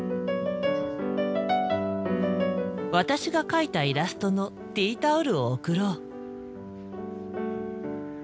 私が描いたイラストのティータオルを贈ろう。